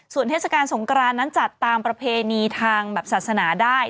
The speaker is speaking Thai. ส่วนเทศกาลสงกรานนั้นจัดตามประเพณีทางแบบศาสนาได้